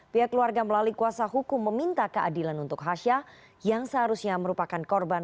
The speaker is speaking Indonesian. pihak keluarga melalui kuasa hukum meminta keadilan untuk hasya yang seharusnya merupakan korban